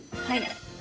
はい。